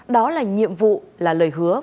đó là nhiệm vụ là lời hứa